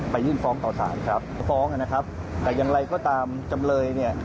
ยื่นฟ้องต่อสารครับฟ้องนะครับแต่อย่างไรก็ตามจำเลยเนี่ย